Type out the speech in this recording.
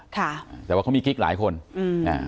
ค่ะแต่ว่ามีจริงหลายคนอืมอ่า